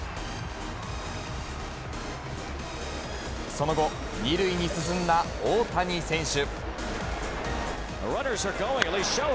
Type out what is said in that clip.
その後、２塁に進んだ大谷選手。